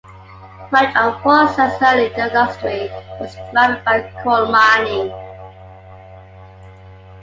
Much of Wallsend's early industry was driven by coal mining.